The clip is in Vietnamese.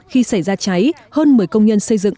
khi xảy ra cháy hơn một mươi công nhân xây dựng